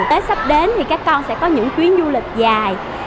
tết sắp đến thì các con sẽ có những chuyến du lịch dài